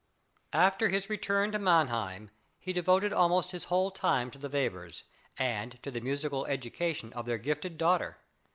After his return to Mannheim he devoted almost his whole time to the Webers, and to the musical education of their gifted daughter.